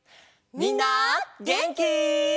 みんなげんき？